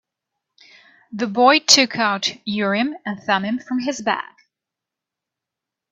The boy took out Urim and Thummim from his bag.